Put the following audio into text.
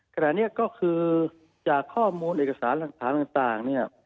ขณะนี้ก็คือจากข้อมูลเอกสารหลักฐานต่างเนี่ย